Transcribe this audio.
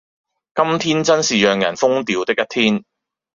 今天真是讓人瘋掉的一天